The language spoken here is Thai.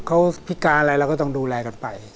เขาพิการอะไรเราก็ต้องดูแลกันไป